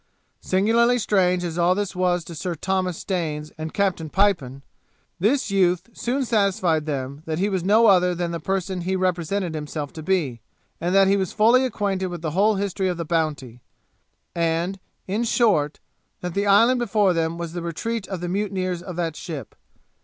Singularly strange as all this was to Sir Thomas Staines and Captain Pipon, this youth soon satisfied them that he was no other than the person he represented himself to be, and that he was fully acquainted with the whole history of the Bounty; and, in short, that the island before them was the retreat of the mutineers of that ship.